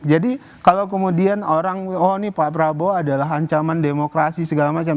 jadi kalau kemudian orang oh ini pak prabowo adalah ancaman demokrasi segala macam